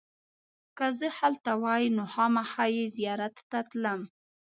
که زه هلته وای نو خامخا یې زیارت ته تلم.